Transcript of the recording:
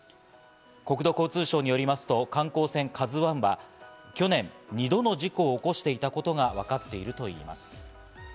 国土交通省によりますと観光船「ＫＡＺＵ１」は去年２度の事故を起こしていたことがわかっているといいます。